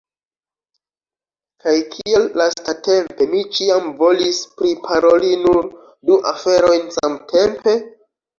Kaj kial lastatempe, mi ĉiam volis priparoli nur du aferojn samtempe?